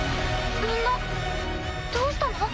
みんなどうしたの？